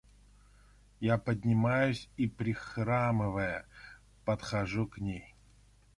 Я поднимаюсь и, прихрамывая, подхожу к ней.